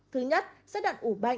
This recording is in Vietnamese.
thứ nhất giai đoạn ủ bệnh